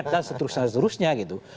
dan seterusnya seterusnya gitu